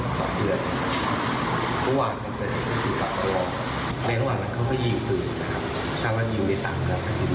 ก็เปล่าเขาบอกว่าฐานด้านหนึ่งก็แผลไม่ชะกัด